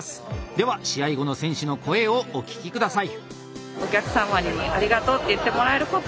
では試合後の選手の声をお聞き下さい。